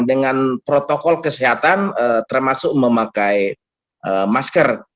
dengan protokol kesehatan termasuk memakai masker